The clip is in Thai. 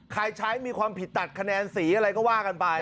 ใช้มีความผิดตัดคะแนนสีอะไรก็ว่ากันไป